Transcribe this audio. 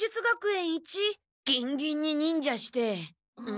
ギンギンに忍者して。